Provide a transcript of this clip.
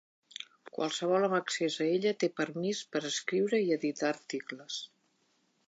Qualsevol amb accés a ella té permís per escriure i editar articles.